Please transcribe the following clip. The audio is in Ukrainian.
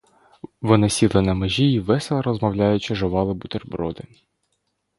Вони сіли на межі й, весело розмовляючи, жували бутерброди.